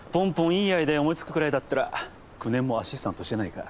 いいアイデア思い付くくらいだったら９年もアシスタントしてないか。